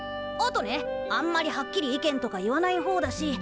あとねあんまりはっきり意見とか言わない方だし。